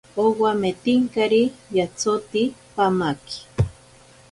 Owametinkari yatsoti pamaki.